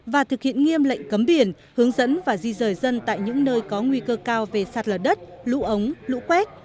và thực hiện nghiêm lệnh cấm biển hướng dẫn và di rời dân tại những nơi có nguy cơ cao về sạt lở đất lũ ống lũ quét